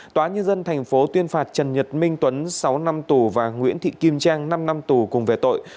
tòa nhân dân tp tuyên phạt trần nhật minh tuấn sáu năm tù và nguyễn thị kim trang năm năm tù cùng về tội